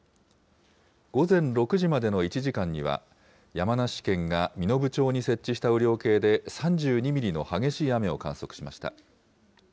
午前６時までの１時間には、山梨県が身延町に設置した雨量計で３２ミリの激しい雨を観測しました。